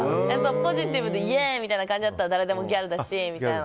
ポジティブでイエーみたいな感じだったら誰でもギャルだしみたいな。